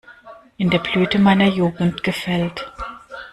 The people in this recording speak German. In der Blüte meiner Jugend gefällt.